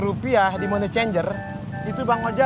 rupiah di moneychanger itu bang aja